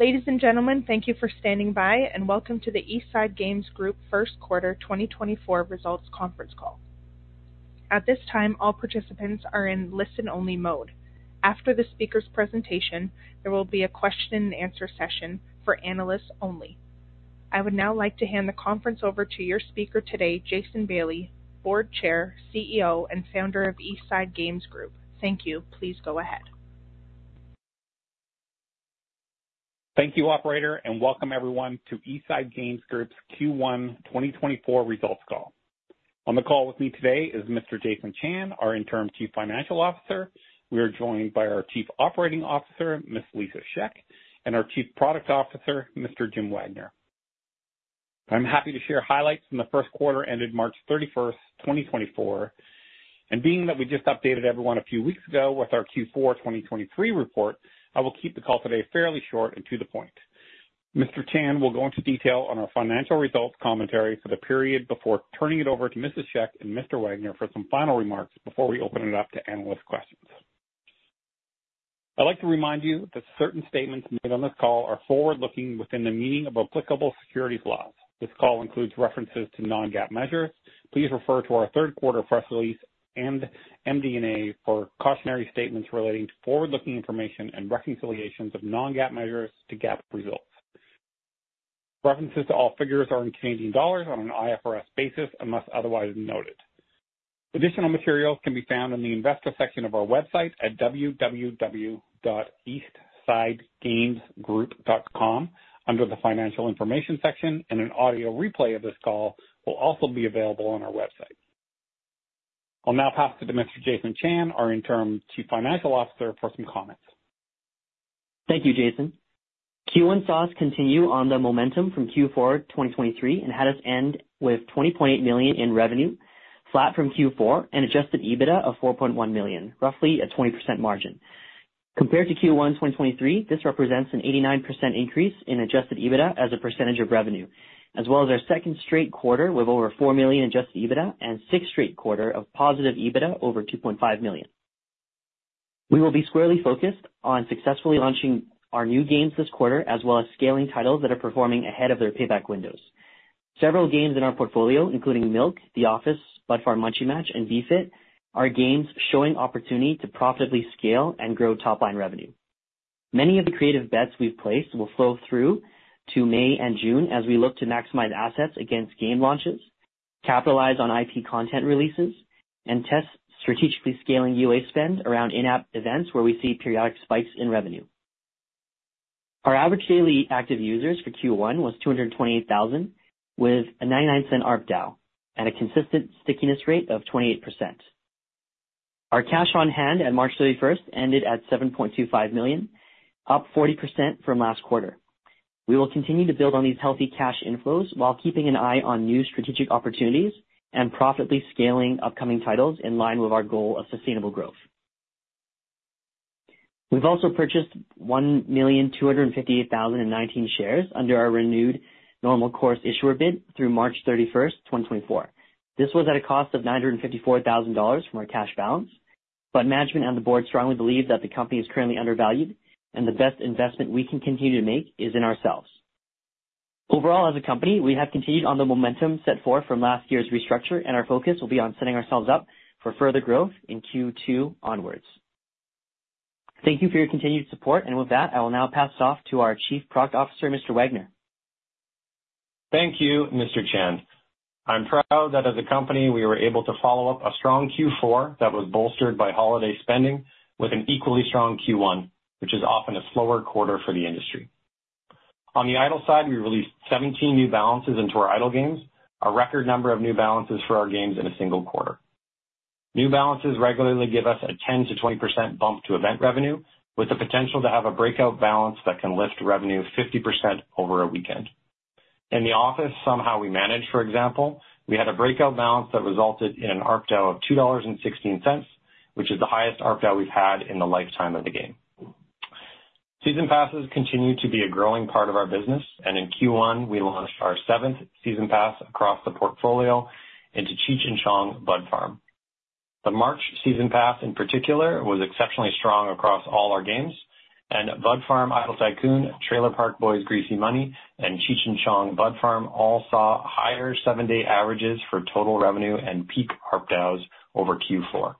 Ladies and gentlemen, thank you for standing by, and welcome to the East Side Games Group First Quarter 2024 results conference call. At this time, all participants are in listen-only mode. After the speaker's presentation, there will be a question-and-answer session for analysts only. I would now like to hand the conference over to your speaker today, Jason Bailey, Board Chair, CEO, and Founder of East Side Games Group. Thank you. Please go ahead. Thank you, operator, and welcome everyone to East Side Games Group's Q1 2024 results call. On the call with me today is Mr. Jason Chan, our Interim Chief Financial Officer. We are joined by our Chief Operating Officer, Ms. Lisa Shek, and our Chief Product Officer, Mr. Jim Wagner. I'm happy to share highlights from the first quarter ended March 31st, 2024. And being that we just updated everyone a few weeks ago with our Q4 2023 report, I will keep the call today fairly short and to the point. Mr. Chan will go into detail on our financial results commentary for the period before turning it over to Mrs. Shek and Mr. Wagner for some final remarks before we open it up to analyst questions. I'd like to remind you that certain statements made on this call are forward-looking within the meaning of applicable securities laws. This call includes references to non-GAAP measures. Please refer to our third quarter press release and MD&A for cautionary statements relating to forward-looking information and reconciliations of non-GAAP measures to GAAP results. References to all figures are in Canadian dollars on an IFRS basis and must otherwise be noted. Additional materials can be found in the Investor section of our website at www.eastsidegamesgroup.com under the Financial Information section, and an audio replay of this call will also be available on our website. I'll now pass it to Mr. Jason Chan, our Interim Chief Financial Officer, for some comments. Thank you, Jason. Q1 saw us continue on the momentum from Q4 2023 and had us end with 20.8 million in revenue, flat from Q4, and adjusted EBITDA of 4.1 million, roughly a 20% margin. Compared to Q1 2023, this represents an 89% increase in adjusted EBITDA as a percentage of revenue, as well as our second straight quarter with over 4 million adjusted EBITDA and sixth straight quarter of positive EBITDA over 2.5 million. We will be squarely focused on successfully launching our new games this quarter, as well as scaling titles that are performing ahead of their payback windows. Several games in our portfolio, including Milk, The Office, Bud Farm: Munchie Match, and BFIT, are games showing opportunity to profitably scale and grow top-line revenue. Many of the creative bets we've placed will flow through to May and June as we look to maximize assets against game launches, capitalize on IP content releases, and test strategically scaling UA spend around in-app events where we see periodic spikes in revenue. Our average daily active users for Q1 was 228,000 with a 0.99 ARPDAU and a consistent stickiness rate of 28%. Our cash on hand at March 31st ended at 7.25 million, up 40% from last quarter. We will continue to build on these healthy cash inflows while keeping an eye on new strategic opportunities and profitably scaling upcoming titles in line with our goal of sustainable growth. We've also purchased 1,258,019 shares under our renewed Normal Course Issuer Bid through March 31st, 2024. This was at a cost of 954,000 dollars from our cash balance, but management and the board strongly believe that the company is currently undervalued and the best investment we can continue to make is in ourselves. Overall, as a company, we have continued on the momentum set forth from last year's restructure, and our focus will be on setting ourselves up for further growth in Q2 onwards. Thank you for your continued support, and with that, I will now pass it off to our Chief Product Officer, Mr. Wagner. Thank you, Mr. Chan. I'm proud that as a company, we were able to follow up a strong Q4 that was bolstered by holiday spending with an equally strong Q1, which is often a slower quarter for the industry. On the idle side, we released 17 new balances into our idle games, a record number of new balances for our games in a single quarter. New balances regularly give us a 10%-20% bump to event revenue, with the potential to have a breakout balance that can lift revenue 50% over a weekend. In The Office: Somehow We Manage, for example, we had a breakout balance that resulted in an ARPDAU of $2.16, which is the highest ARPDAU we've had in the lifetime of the game. Season passes continue to be a growing part of our business, and in Q1, we launched our seventh season pass across the portfolio into Cheech & Chong Bud Farm. The March season pass, in particular, was exceptionally strong across all our games, and Bud Farm: Idle Tycoon, Trailer Park Boys: Greasy Money, and Cheech & Chong Bud Farm all saw higher seven-day averages for total revenue and peak ARPDAUs over Q4.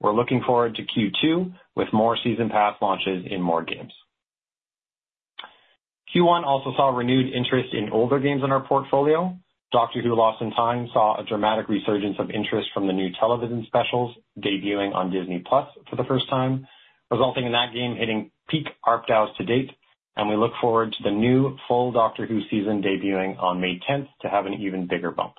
We're looking forward to Q2 with more season pass launches in more games. Q1 also saw renewed interest in older games in our portfolio. Doctor Who: Lost in Time saw a dramatic resurgence of interest from the new television specials debuting on Disney+ for the first time, resulting in that game hitting peak ARPDAUs to date. We look forward to the new full Doctor Who season debuting on May 10th to have an even bigger bump.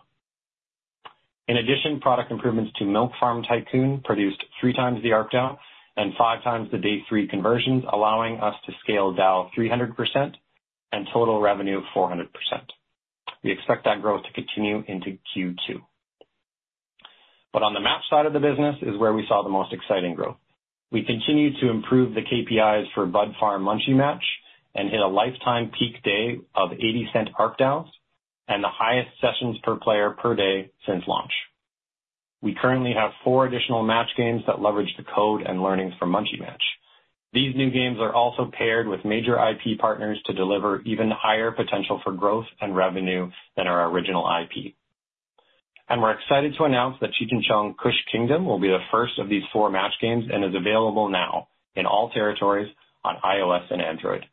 In addition, product improvements to Milk Farm Tycoon produced 3x the ARPDAU and 5x the Day 3 conversions, allowing us to scale DAU 300% and total revenue 400%. We expect that growth to continue into Q2. But on the match side of the business is where we saw the most exciting growth. We continue to improve the KPIs for Bud Farm: Munchie Match and hit a lifetime peak day of $0.80 ARPDAUs and the highest sessions per player per day since launch. We currently have four additional match games that leverage the code and learnings from Munchie Match. These new games are also paired with major IP partners to deliver even higher potential for growth and revenue than our original IP. And we're excited to announce that Cheech & Chong: Kush Kingdom will be the first of these four match games and is available now in all territories on iOS and Android.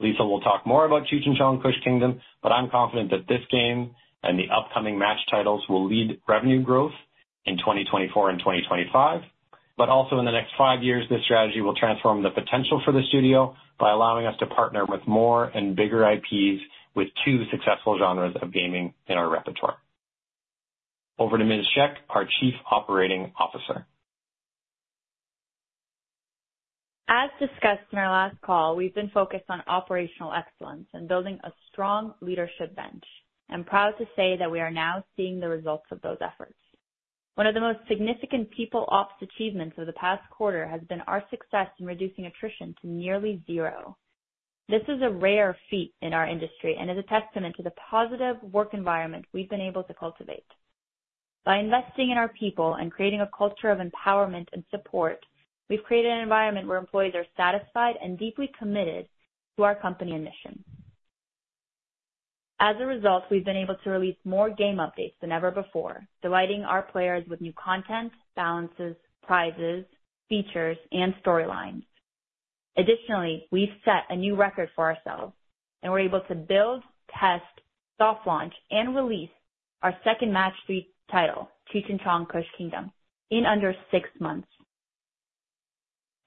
Lisa will talk more about Cheech & Chong: Kush Kingdom, but I'm confident that this game and the upcoming match titles will lead revenue growth in 2024 and 2025. But also in the next five years, this strategy will transform the potential for the studio by allowing us to partner with more and bigger IPs with two successful genres of gaming in our repertoire. Over to Ms. Shek, our Chief Operating Officer. As discussed in our last call, we've been focused on operational excellence and building a strong leadership bench, and proud to say that we are now seeing the results of those efforts. One of the most significant people ops achievements of the past quarter has been our success in reducing attrition to nearly zero. This is a rare feat in our industry and is a testament to the positive work environment we've been able to cultivate. By investing in our people and creating a culture of empowerment and support, we've created an environment where employees are satisfied and deeply committed to our company and mission. As a result, we've been able to release more game updates than ever before, delighting our players with new content, balances, prizes, features, and storylines. Additionally, we've set a new record for ourselves, and we're able to build, test, soft-launch, and release our second match-3 title, Cheech & Chong: Kush Kingdom, in under six months.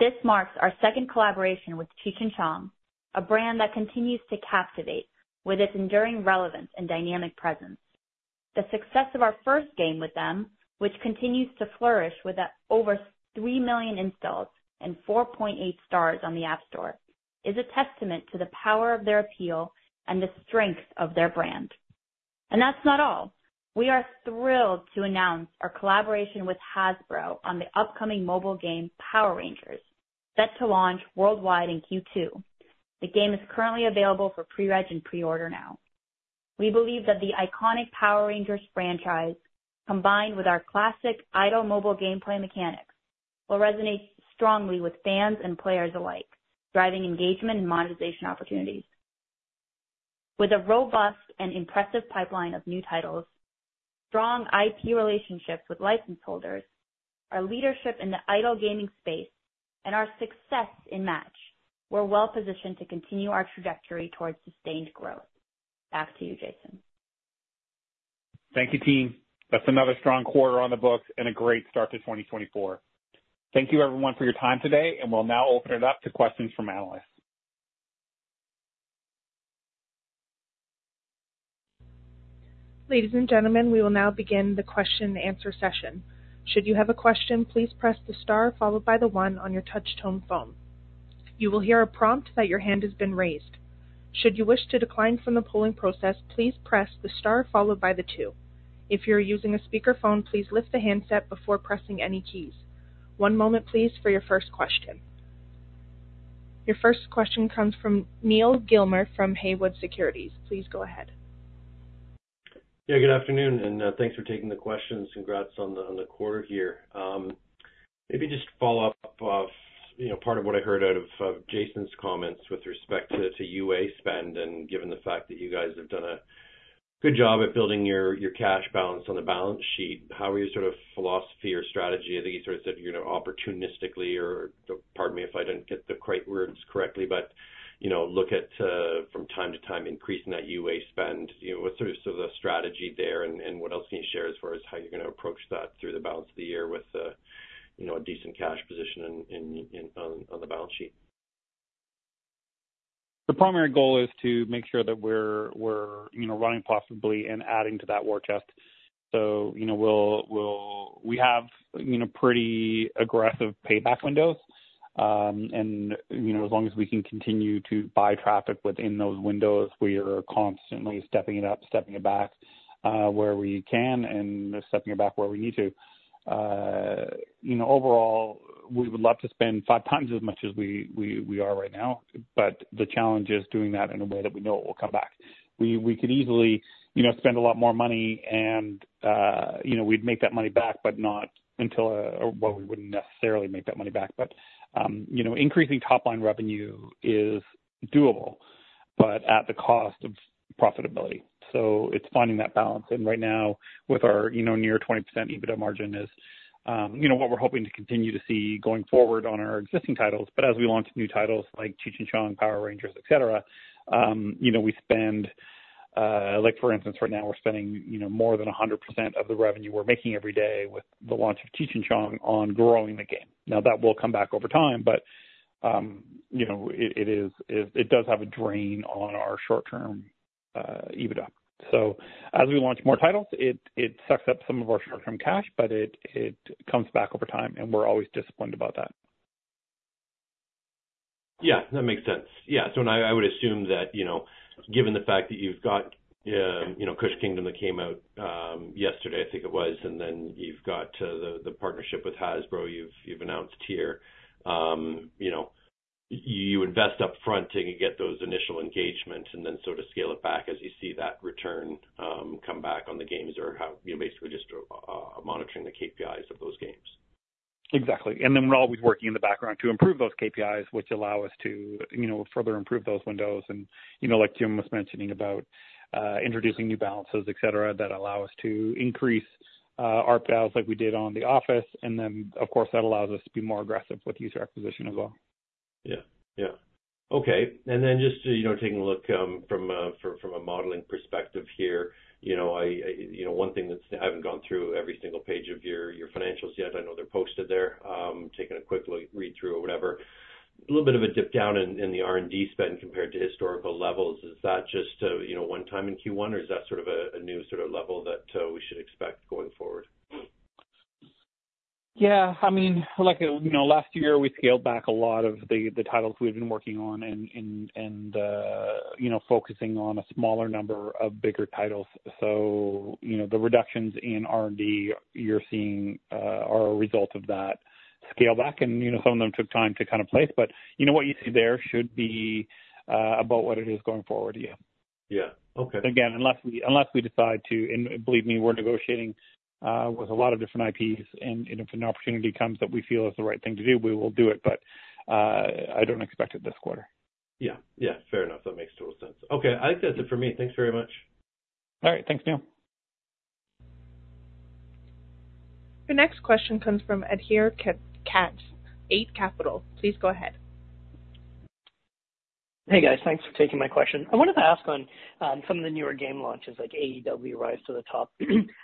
This marks our second collaboration with Cheech & Chong, a brand that continues to captivate with its enduring relevance and dynamic presence. The success of our first game with them, which continues to flourish with over 3 million installs and 4.8 stars on the App Store, is a testament to the power of their appeal and the strength of their brand. And that's not all. We are thrilled to announce our collaboration with Hasbro on the upcoming mobile game Power Rangers, set to launch worldwide in Q2. The game is currently available for pre-reg and pre-order now. We believe that the iconic Power Rangers franchise, combined with our classic idle mobile gameplay mechanics, will resonate strongly with fans and players alike, driving engagement and monetization opportunities. With a robust and impressive pipeline of new titles, strong IP relationships with license holders, our leadership in the idle gaming space, and our success in match, we're well-positioned to continue our trajectory towards sustained growth. Back to you, Jason. Thank you, team. That's another strong quarter on the books and a great start to 2024. Thank you, everyone, for your time today, and we'll now open it up to questions from analysts. Ladies and gentlemen, we will now begin the question-and-answer session. Should you have a question, please press the star followed by the one on your touch-tone phone. You will hear a prompt that your hand has been raised. Should you wish to decline from the polling process, please press the star followed by the two. If you are using a speakerphone, please lift the handset before pressing any keys. One moment, please, for your first question. Your first question comes from Neal Gilmer from Haywood Securities. Please go ahead. Yeah, good afternoon, and thanks for taking the questions. Congrats on the quarter here. Maybe just follow up off part of what I heard out of Jason's comments with respect to UA spend, and given the fact that you guys have done a good job at building your cash balance on the balance sheet, how are your sort of philosophy or strategy? I think you sort of said opportunistically, or pardon me if I didn't get the right words correctly, but look at, from time to time, increasing that UA spend. What's sort of the strategy there, and what else can you share as far as how you're going to approach that through the balance of the year with a decent cash position on the balance sheet? The primary goal is to make sure that we're running profitably and adding to that war chest. So we have pretty aggressive payback windows, and as long as we can continue to buy traffic within those windows, we are constantly stepping it up, stepping it back where we can, and stepping it back where we need to. Overall, we would love to spend 5x as much as we are right now, but the challenge is doing that in a way that we know it will come back. We could easily spend a lot more money, and we'd make that money back, but not until well, we wouldn't necessarily make that money back. But increasing top-line revenue is doable, but at the cost of profitability. So it's finding that balance. Right now, with our near 20% EBITDA margin, is what we're hoping to continue to see going forward on our existing titles. But as we launch new titles like Cheech and Chong, Power Rangers, et cetera, we spend for instance, right now, we're spending more than 100% of the revenue we're making every day with the launch of Cheech and Chong on growing the game. Now, that will come back over time, but it does have a drain on our short-term EBITDA. So as we launch more titles, it sucks up some of our short-term cash, but it comes back over time, and we're always disciplined about that. Yeah, that makes sense. Yeah. So I would assume that given the fact that you've got Kush Kingdom that came out yesterday, I think it was, and then you've got the partnership with Hasbro you've announced here, you invest upfront and you get those initial engagements and then sort of scale it back as you see that return come back on the games or basically just monitoring the KPIs of those games. Exactly. And then we're always working in the background to improve those KPIs, which allow us to further improve those windows. And like Jim was mentioning about introducing new balances, et cetera, that allow us to increase ARPDAUs like we did on The Office. And then, of course, that allows us to be more aggressive with user acquisition as well. Yeah. Yeah. Okay. And then just taking a look from a modeling perspective here, one thing that's I haven't gone through every single page of your financials yet. I know they're posted there. I'm taking a quick read-through or whatever. A little bit of a dip down in the R&D spend compared to historical levels. Is that just one time in Q1, or is that sort of a new sort of level that we should expect going forward? Yeah. I mean, last year, we scaled back a lot of the titles we had been working on and focusing on a smaller number of bigger titles. So the reductions in R&D you're seeing are a result of that scale back, and some of them took time to kind of place. But what you see there should be about what it is going forward. Yeah. Yeah. Okay. Again, unless we decide to and believe me, we're negotiating with a lot of different IPs, and if an opportunity comes that we feel is the right thing to do, we will do it. But I don't expect it this quarter. Yeah. Yeah. Fair enough. That makes total sense. Okay. I think that's it for me. Thanks very much. All right. Thanks, Neal. The next question comes from Adhir Kadve, Eight Capital. Please go ahead. Hey, guys. Thanks for taking my question. I wanted to ask on some of the newer game launches, like AEW: Rise to the Top.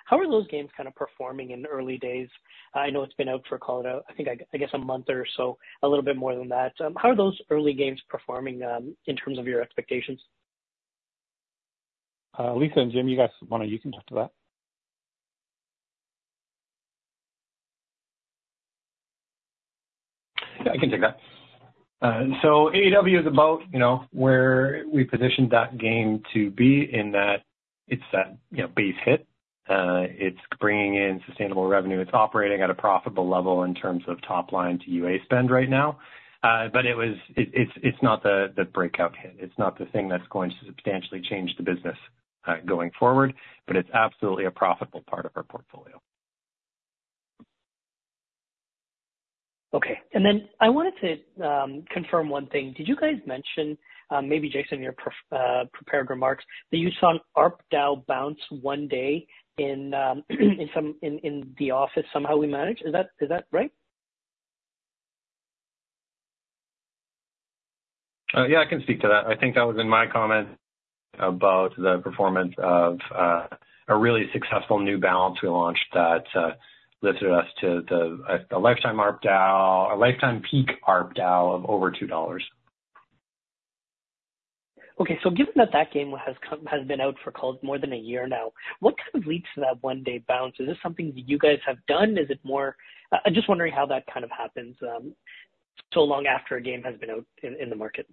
How are those games kind of performing in early days? I know it's been out for, I think, I guess a month or so, a little bit more than that. How are those early games performing in terms of your expectations? Lisa and Jim, you guys want to, you can talk to that. Yeah, I can take that. So AEW is about where we positioned that game to be in that it's that base hit. It's bringing in sustainable revenue. It's operating at a profitable level in terms of top-line to UA spend right now. But it's not the breakout hit. It's not the thing that's going to substantially change the business going forward, but it's absolutely a profitable part of our portfolio. Okay. And then I wanted to confirm one thing. Did you guys mention, maybe, Jason, in your prepared remarks, that you saw an ARPDAU bounce one day in The Office: Somehow We Manage? Is that right? Yeah, I can speak to that. I think that was in my comment about the performance of a really successful new balance we launched that lifted us to a lifetime ARPDAU, a lifetime peak ARPDAU of over $2. Okay. So given that that game has been out for more than a year now, what kind of leads to that one-day bounce? Is this something that you guys have done? Is it more? I'm just wondering how that kind of happens so long after a game has been out in the market.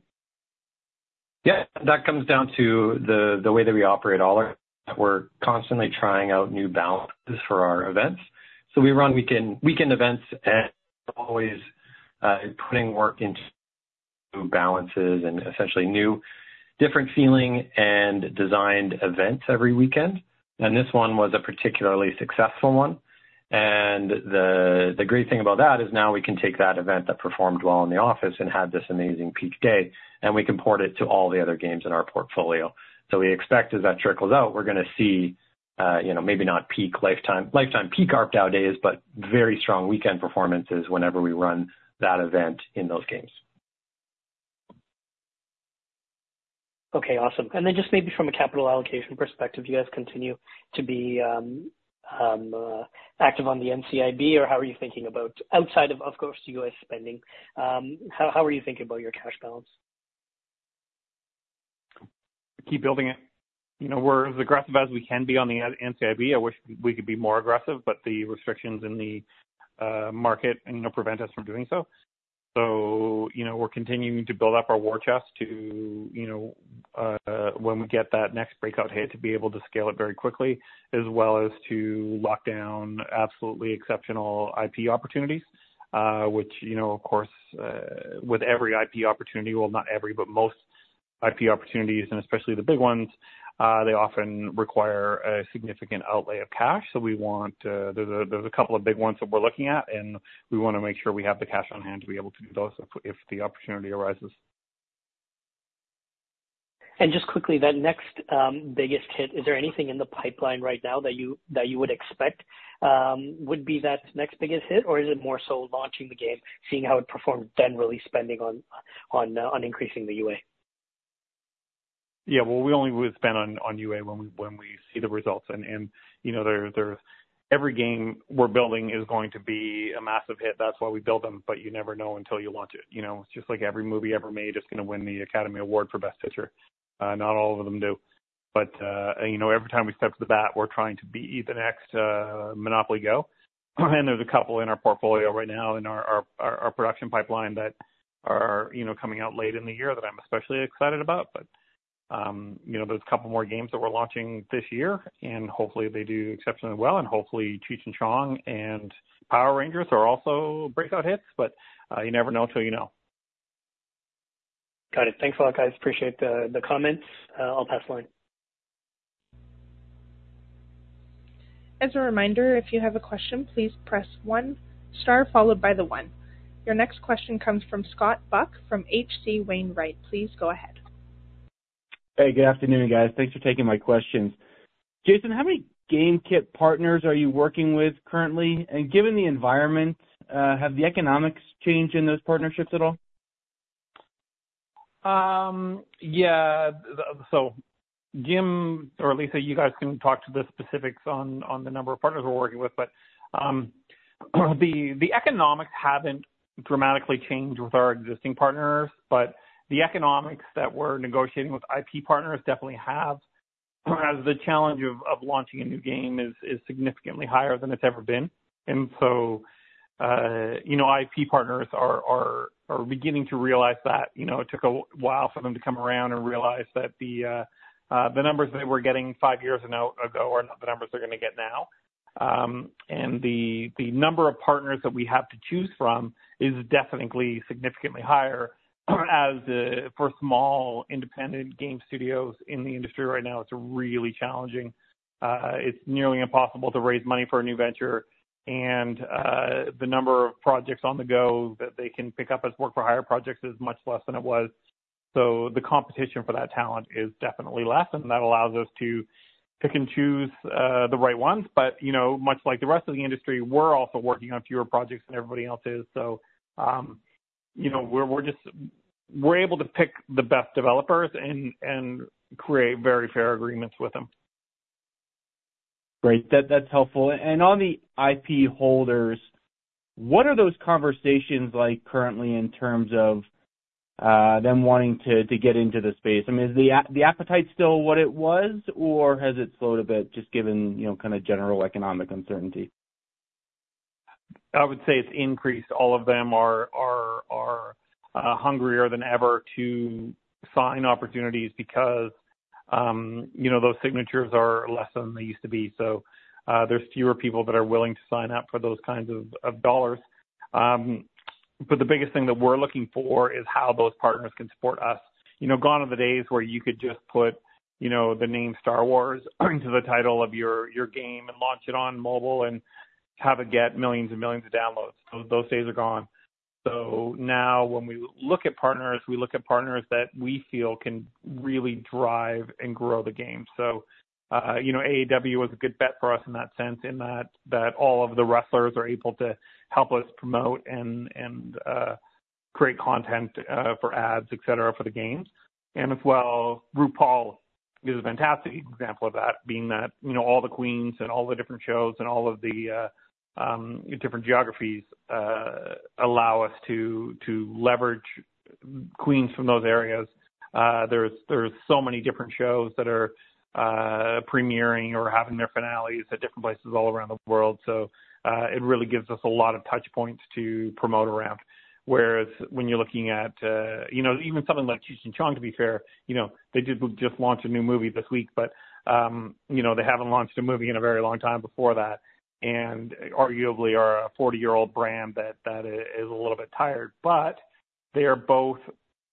Yeah. That comes down to the way that we operate all our that we're constantly trying out new balances for our events. So we run weekend events and we're always putting work into balances and essentially new, different-feeling and designed events every weekend. And this one was a particularly successful one. And the great thing about that is now we can take that event that performed well in The Office and had this amazing peak day, and we can port it to all the other games in our portfolio. So we expect, as that trickles out, we're going to see maybe not lifetime peak ARPDAU days, but very strong weekend performances whenever we run that event in those games. Okay. Awesome. And then just maybe from a capital allocation perspective, you guys continue to be active on the NCIB, or how are you thinking about outside of, of course, UA spending? How are you thinking about your cash balance? Keep building it. We're as aggressive as we can be on the NCIB. I wish we could be more aggressive, but the restrictions in the market prevent us from doing so. So we're continuing to build up our war chest to, when we get that next breakout hit, to be able to scale it very quickly, as well as to lock down absolutely exceptional IP opportunities, which, of course, with every IP opportunity well, not every, but most IP opportunities, and especially the big ones, they often require a significant outlay of cash. So there's a couple of big ones that we're looking at, and we want to make sure we have the cash on hand to be able to do those if the opportunity arises. And just quickly, that next biggest hit, is there anything in the pipeline right now that you would expect would be that next biggest hit, or is it more so launching the game, seeing how it performed, then really spending on increasing the UA? Yeah. Well, we only would spend on UA when we see the results. And every game we're building is going to be a massive hit. That's why we build them, but you never know until you launch it. It's just like every movie ever made is going to win the Academy Award for Best Picture. Not all of them do. But every time we step to the bat, we're trying to beat the next MONOPOLY GO!. And there's a couple in our portfolio right now in our production pipeline that are coming out late in the year that I'm especially excited about. But there's a couple more games that we're launching this year, and hopefully, they do exceptionally well. And hopefully, Cheech and Chong and Power Rangers are also breakout hits, but you never know until you know. Got it. Thanks a lot, guys. Appreciate the comments. I'll pass the line. As a reminder, if you have a question, please press 1 star followed by the 1. Your next question comes from Scott Buck from H.C. Wainwright. Please go ahead. Hey, good afternoon, guys. Thanks for taking my questions. Jason, how many Game Kit partners are you working with currently? And given the environment, have the economics changed in those partnerships at all? Yeah. So Jim or Lisa, you guys can talk to the specifics on the number of partners we're working with. But the economics haven't dramatically changed with our existing partners, but the economics that we're negotiating with IP partners definitely have as the challenge of launching a new game is significantly higher than it's ever been. And so IP partners are beginning to realize that it took a while for them to come around and realize that the numbers they were getting five years ago are not the numbers they're going to get now. And the number of partners that we have to choose from is definitely significantly higher. For small independent game studios in the industry right now, it's really challenging. It's nearly impossible to raise money for a new venture. And the number of projects on the go that they can pick up as work-for-hire projects is much less than it was. So the competition for that talent is definitely less, and that allows us to pick and choose the right ones. But much like the rest of the industry, we're also working on fewer projects than everybody else is. So we're able to pick the best developers and create very fair agreements with them. Great. That's helpful. And on the IP holders, what are those conversations like currently in terms of them wanting to get into the space? I mean, is the appetite still what it was, or has it slowed a bit just given kind of general economic uncertainty? I would say it's increased. All of them are hungrier than ever to sign opportunities because those signatures are less than they used to be. So there's fewer people that are willing to sign up for those kinds of dollars. But the biggest thing that we're looking for is how those partners can support us. Gone are the days where you could just put the name Star Wars into the title of your game and launch it on mobile and have it get millions and millions of downloads. Those days are gone. So now, when we look at partners, we look at partners that we feel can really drive and grow the game. So AEW was a good bet for us in that sense in that all of the wrestlers are able to help us promote and create content for ads, etc., for the games. As well, RuPaul is a fantastic example of that, being that all the queens and all the different shows and all of the different geographies allow us to leverage queens from those areas. There's so many different shows that are premiering or having their finales at different places all around the world. So it really gives us a lot of touchpoints to promote around. Whereas when you're looking at even something like Cheech and Chong, to be fair, they did just launch a new movie this week, but they haven't launched a movie in a very long time before that and arguably are a 40-year-old brand that is a little bit tired. But they both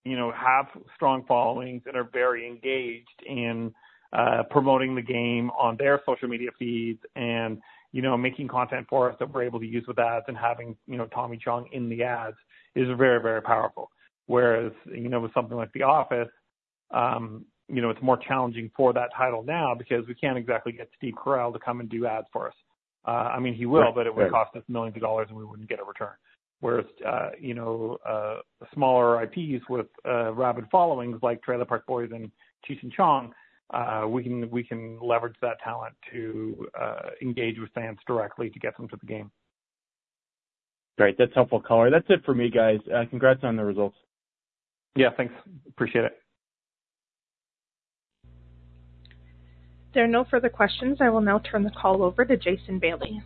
have strong followings and are very engaged in promoting the game on their social media feeds and making content for us that we're able to use with ads and having Tommy Chong in the ads is very, very powerful. Whereas with something like The Office, it's more challenging for that title now because we can't exactly get Steve Carell to come and do ads for us. I mean, he will, but it would cost us millions of dollars, and we wouldn't get a return. Whereas smaller IPs with rapid followings like Trailer Park Boys and Cheech and Chong, we can leverage that talent to engage with fans directly to get them to the game. Great. That's helpful color. That's it for me, guys. Congrats on the results. Yeah. Thanks. Appreciate it. There are no further questions. I will now turn the call over to Jason Bailey.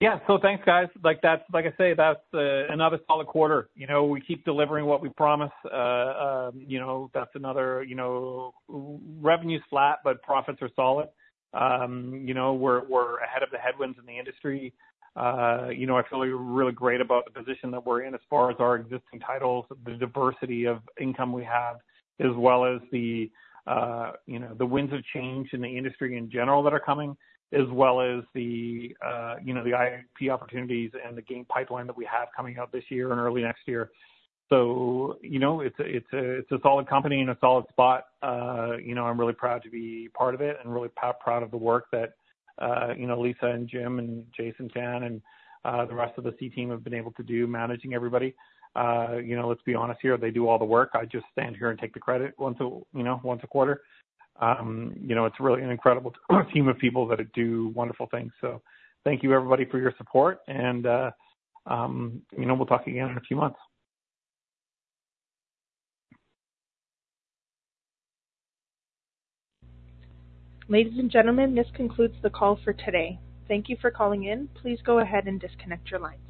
Yeah. So thanks, guys. Like I say, that's another solid quarter. We keep delivering what we promise. That's another revenue's flat, but profits are solid. We're ahead of the headwinds in the industry. I feel really great about the position that we're in as far as our existing titles, the diversity of income we have, as well as the winds of change in the industry in general that are coming, as well as the IP opportunities and the game pipeline that we have coming out this year and early next year. So it's a solid company in a solid spot. I'm really proud to be part of it and really proud of the work that Lisa and Jim and Jason Chan and the rest of the C team have been able to do managing everybody. Let's be honest here. They do all the work. I just stand here and take the credit once a quarter. It's really an incredible team of people that do wonderful things. So thank you, everybody, for your support, and we'll talk again in a few months. Ladies and gentlemen, this concludes the call for today. Thank you for calling in. Please go ahead and disconnect your line.